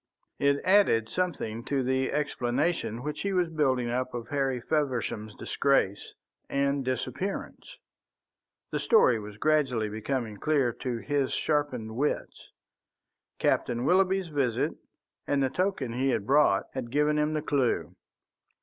It added something to the explanation which he was building up of Harry Feversham's disgrace and disappearance. The story was gradually becoming clear to his sharpened wits. Captain Willoughby's visit and the token he had brought had given him the clue.